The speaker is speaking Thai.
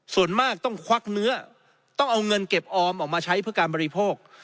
ส่วนมากต้องควักเนื้อต้องเอาเงินเก็บออมออกมาใช้เพื่อการบริโภค